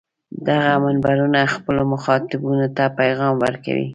دغه منبرونه خپلو مخاطبانو ته پیغام ورکوي.